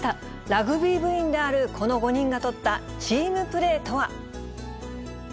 ラグビー部員であるこの５人が取ったチームプレーとは。